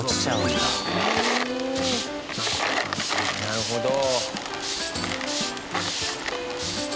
なるほど。